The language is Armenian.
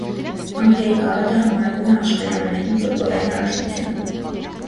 Անգլիայի գավաթը համարվում է աշխարհի ամենահին ֆուտբոլային առաջնությունը։